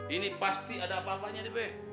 ini pasti ada apa apanya dibet